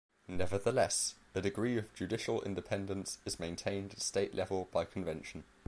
Nevertheless, a degree of judicial independence is maintained at State level by convention.